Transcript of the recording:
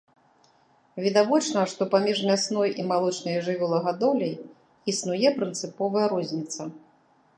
Відавочна, што паміж мясной і малочнай жывёлагадоўляй існуе прынцыповая розніца.